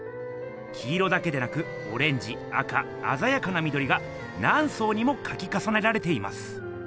黄色だけでなくオレンジ赤あざやかなみどりがなんそうにもかきかさねられています。